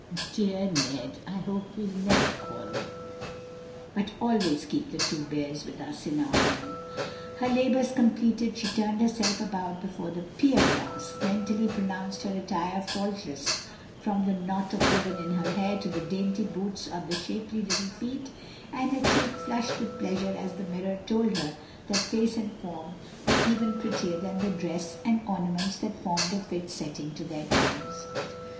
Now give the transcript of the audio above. Dear Ned! I hope we'll never quarrel, but always keep the two bears with us in our home." Her labors completed, she turned herself about before the pier glass, mentally pronounced her attire faultless from the knot of ribbon in her hair to the dainty boots on the shapely little feet, and her cheek flushed with pleasure as the mirror told her that face and form were even prettier than the dress and ornaments that formed a fit setting to their charms.